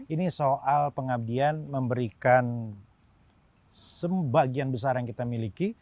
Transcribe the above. ini soal pengabdian memberikan sebagian besar yang kita miliki